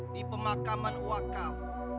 di pemakaman wakaf